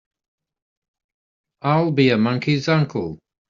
I'll be a monkey's uncle!